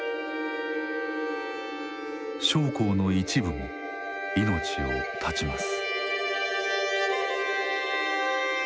将校の一部も命を絶ちます。